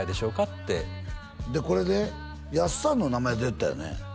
ってでこれでやっさんの名前出てたよね？